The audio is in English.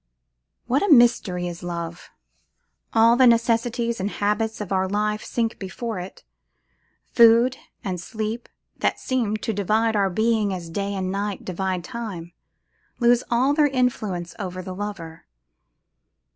What a mystery is Love! All the necessities and habits of our life sink before it. Food and sleep, that seem to divide our being as day and night divide Time, lose all their influence over the lover.